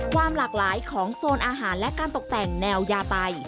ความหลากหลายของโซนอาหารและการตกแต่งแนวยาไต